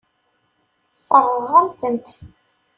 Sseṛɣeɣ-am-tent.